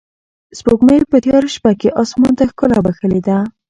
سپوږمۍ په تیاره شپه کې اسمان ته ښکلا بښلې ده.